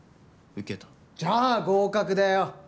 じゃあ合格だよ。